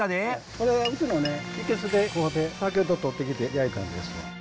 これはうちの生けすで飼うて先ほどとってきて焼いたんですわ。